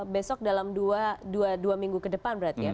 besok dalam dua minggu ke depan berarti ya